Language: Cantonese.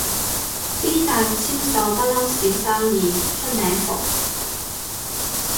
啲大陸簽售不嬲少生意，出名伏